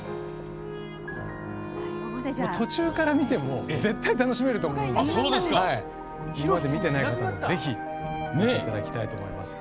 途中から見ても絶対、楽しめると思うので今まで見てない方もぜひ見ていただきたいと思います。